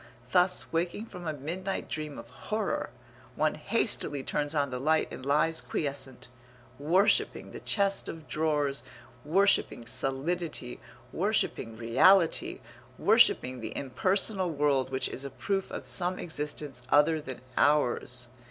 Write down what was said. Thus, waking from a midnight dream of horror, one hastily turns on the light and lies quiescent, worshipping the chest of drawers, worshipping solidity, worshipping reality, worshipping the impersonal world which is a proof of some existence other than ours.